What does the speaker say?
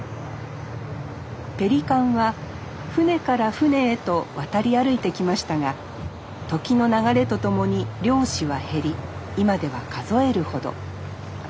ペリカンは船から船へと渡り歩いてきましたが時の流れと共に漁師は減り今では数えるほど。